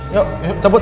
yuk yuk cabut